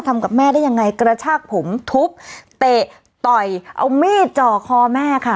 ทำกับแม่ได้ยังไงกระชากผมทุบเตะต่อยเอามีดจ่อคอแม่ค่ะ